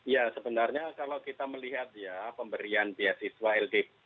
ya sebenarnya kalau kita melihat ya pemberian pihak siswa lpdp